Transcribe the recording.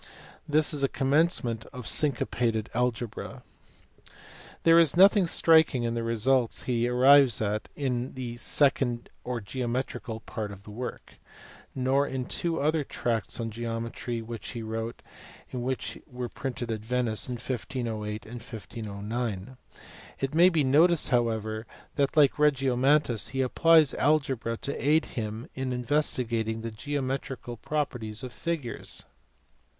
This is a commencement of syncopated algebra. There is nothing striking in the results he arrives at in the second or geometrical part of the work ; nor in two other tracts on geometry which he wrote and which were printed at Venice in 1508 and 1509. It may be noticed however that like Regiornontanus he applied algebra to aid him in investigating the geometrical properties of figures.